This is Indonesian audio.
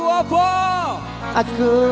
rapat dengan aku